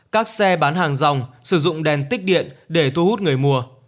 các xe bán hàng rong sử dụng đèn tích điện để thu hút người mua